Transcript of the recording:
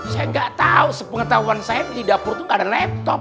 saya gak tau sepengetahuan saya di dapur tuh gak ada laptop